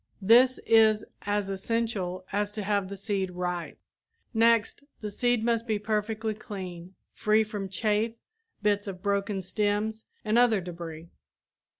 This is as essential as to have the seed ripe. Next, the seed must be perfectly clean, free from chaff, bits of broken stems and other debris.